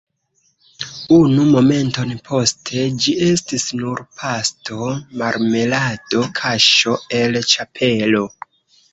Unu momenton poste, ĝi estis nur pasto, marmelado, kaĉo el ĉapelo!